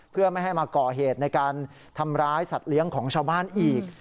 เพื่อไม่ให้มาก่อเหตุในการทำร้ายสัตว์เลี้ยงของชาวบ้านอีก